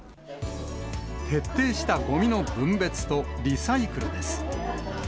徹底したごみの分別とリサイクルです。